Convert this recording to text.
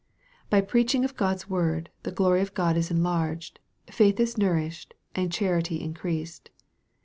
By preaching of God's word, the glory of God is enlarged, faith is nourished, and char ity increased.